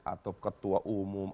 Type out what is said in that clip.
atau ketua umum